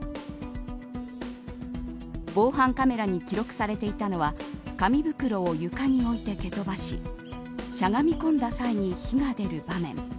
防犯カメラに記録されていたのは紙袋を床に置いて、蹴飛ばししゃがみ込んだ際に火が出る場面。